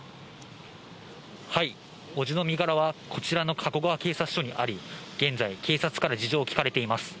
伯父の身柄はこちらの加古川警察署にあり、現在、警察から事情を聴かれています。